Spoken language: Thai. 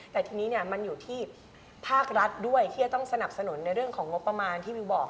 แต่ทีนี้มันอยู่ที่ภาครัฐด้วยที่จะต้องสนับสนุนในเรื่องของงบประมาณที่วิวบอก